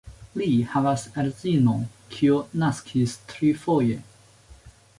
Li havas edzinon, kiu naskis trifoje.